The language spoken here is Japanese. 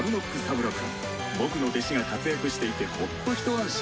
僕の弟子が活躍していてホッと一安心。